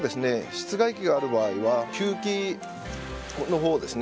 室外機がある場合は吸気口の方をですね